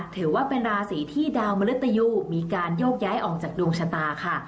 ถือว่าเป็นราศีที่ดาวมริตยูมีการโยกย้ายออกจากดวงชะตาค่ะ